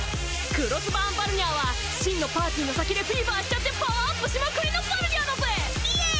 クロスバーン・バルニャーは真のパーティの先でフィーバーしちゃってパワーアップしまくりのバルニャーだぜぇ！